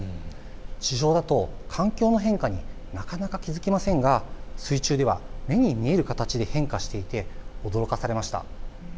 地上だと環境の変化になかなか気付きませんが水中では目に見える形で変化していて驚かされました。